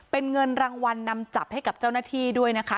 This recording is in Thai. เป็นเงินรางวัลนำจับให้กับเจ้าหน้าที่ด้วยนะคะ